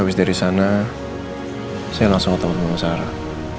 habis dari sana saya langsung ketemu sama sarah